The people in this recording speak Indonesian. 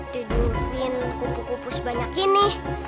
tidurin kopo kopo sebanyak ini